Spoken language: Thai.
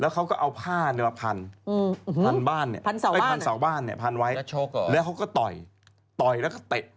พันบ้านเนี่ยพันสาวบ้านเนี่ยพันไว้แล้วเขาก็ต่อยต่อยแล้วก็เตะ